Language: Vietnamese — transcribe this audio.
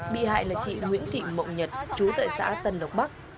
bị hại là chị nguyễn thị mộng nhật chú tại xã tân lộc bắc